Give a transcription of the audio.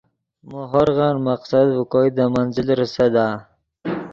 مو ہورغن مقصد ڤے کوئے دے منزل ریسدا